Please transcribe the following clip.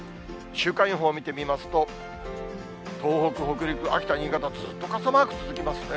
週間予報を見てみますと、東北、北陸、秋田、新潟、ずっと傘マーク続きますね。